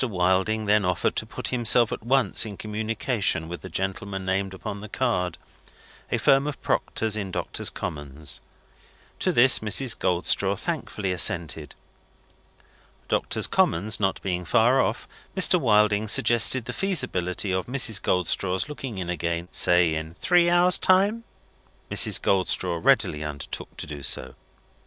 Wilding then offered to put himself at once in communication with the gentlemen named upon the card: a firm of proctors in Doctors' Commons. To this, Mrs. Goldstraw thankfully assented. Doctors' Commons not being far off, Mr. Wilding suggested the feasibility of Mrs. Goldstraw's looking in again, say in three hours' time. Mrs. Goldstraw readily undertook to do so.